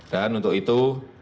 dan untuk itu